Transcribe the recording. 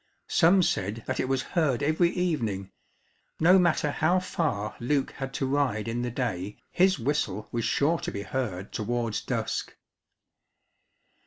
Some said that it was heard every evening: no matter how far Luke had to ride in the day, his whistle was sure to be heard towards dusk.